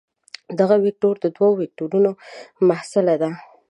دغه وکتور د دوو وکتورونو محصله ده.